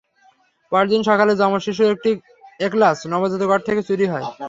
পরদিন সকালে যজম শিশুর একটি এখলাস নবজাতক ওয়ার্ড থেকে চুরি হয়।